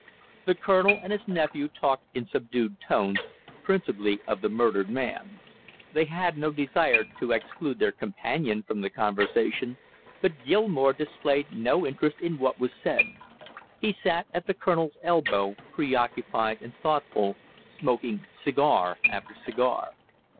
The colonel and his nephew talked in subdued tones, principally of the murdered man; they had no desire to exclude their companion from the conversation, but Gilmore displayed no interest in what was said. He sat at the colonel's elbow, preoccupied and thoughtful, smoking cigar after cigar.